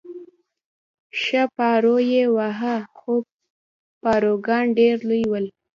ښه پارو یې واهه، خو پاروګان ډېر لوی ول.